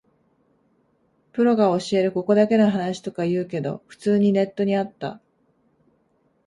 プロが教えるここだけの話とか言うけど、普通にネットにあった